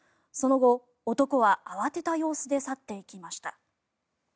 その後、男は慌てた様子で去っていきました。